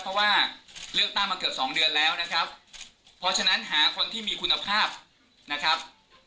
เพราะว่าเลือกตั้งมาเกือบสองเดือนแล้วนะครับเพราะฉะนั้นหาคนที่มีคุณภาพนะครับ